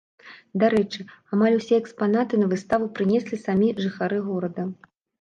Дарэчы, амаль усе экспанаты на выставу прынеслі самі жыхары горада.